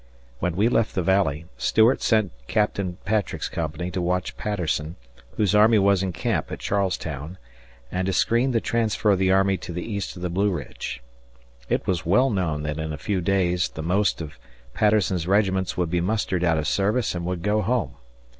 When we left the Valley, Stuart sent Captain Patrick's company to watch Patterson, whose army was in camp at Charles Town, and to screen the transfer of the army to the east of the Blue Ridge. It was well known that in a few days the most of Patterson's regiments would be mustered out of service and would go home.